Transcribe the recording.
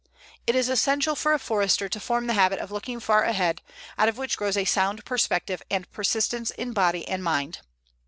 It is essential for a Forester to form the habit of looking far ahead, out of which grows a sound perspective and persistence in body and mind.